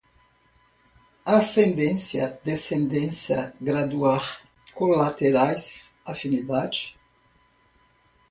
ascendência, descendência, graduar, colaterais, afinidade